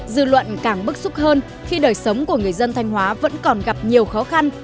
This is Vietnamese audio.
dư luận càng bức xúc hơn khi đời sống của người dân thanh hóa vẫn còn gặp nhiều khó khăn